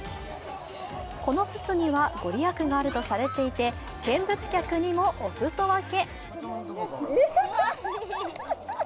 このススには御利益があるとされていて見物客にもおすそ分け。